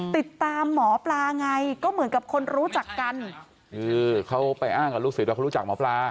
ติดตามหมอปลาไงก็เหมือนกับคนรู้จักกันคือเขาไปอ้างกับลูกศิษย์ว่าเขารู้จักหมอปลา